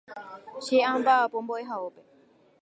che amba'apo mbo'ehaópe